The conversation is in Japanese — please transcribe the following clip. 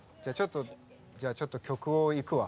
じゃあちょっと曲をいくわ。